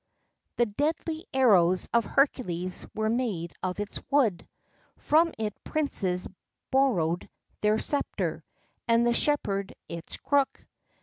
[XII 5] The deadly arrows of Hercules were made of its wood.[XII 6] From it princes borrowed their sceptre[XII 7] and the shepherd his crook.